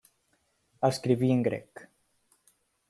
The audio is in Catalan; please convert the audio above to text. Escriví en grec.